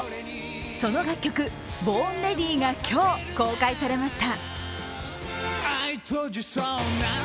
その楽曲「Ｂｏｒｎｒｅａｄｙ」が今日、公開されました。